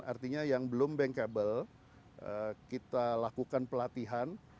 artinya yang belum bankable kita lakukan pelatihan